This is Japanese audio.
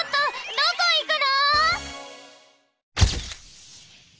どこいくの！？